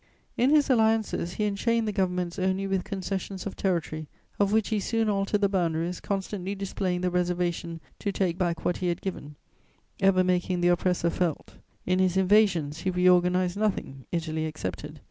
In his alliances, he enchained the governments only with concessions of territory, of which he soon altered the boundaries, constantly displaying the reservation to take back what he had given, ever making the oppressor felt; in his invasions, he reorganized nothing, Italy excepted.